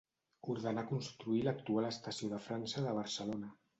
Ordenà construir l'actual Estació de França de Barcelona.